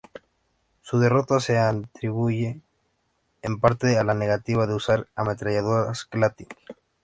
Su derrota se atribuye en parte a la negativa de usar ametralladoras Gatling.